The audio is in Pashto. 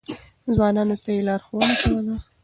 ځوانانو ته يې لارښوونه کوله.